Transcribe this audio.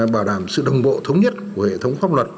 bảo đảm sự đồng bộ thống nhất của hệ thống pháp luật